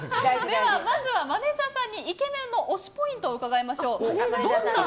では、まずはマネジャーさんにイケメンの推しポイントを伺いましょう。